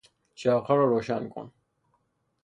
چراغها را روشن کن!